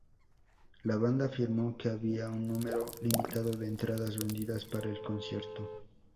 La banda afirmó que había un número limitado de entradas vendidas para el concierto.